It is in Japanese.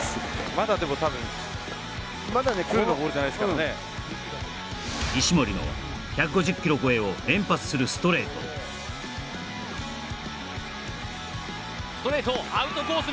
まだでも多分まだねフルのボールじゃないですからね石森の１５０キロ超えを連発するストレートストレートアウトコース